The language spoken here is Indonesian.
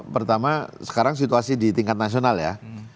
pertama sekarang situasi di tingkat nasional ya